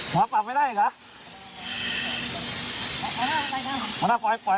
หัวปรับไม่ได้เหรอ